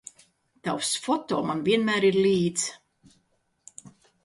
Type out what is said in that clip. Tavs foto man vienmēr ir līdz